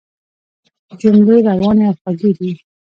جملې روانې او خوږې دي.